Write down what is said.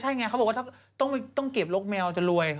ใช่ไงเขาบอกว่าถ้าต้องเก็บรกแมวจะรวย